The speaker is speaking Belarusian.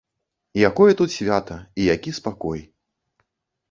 Якое тут свята і які спакой!